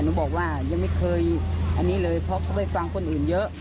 บอกว่ายังไม่เคยอันนี้เลยเพราะเขาไปฟังคนอื่นเยอะ